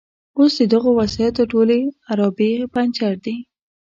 اوس د دغو وسایطو ټولې عرابې پنجر دي.